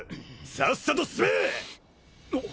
さっさと進め！あっ！